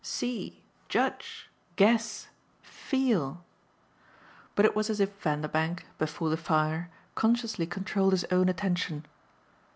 "See, judge, guess, feel!" But it was as if Vanderbank, before the fire, consciously controlled his own attention.